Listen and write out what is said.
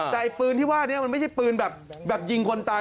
แต่ปืนที่ว่านี้มันไม่ใช่ปืนแบบยิงคนตาย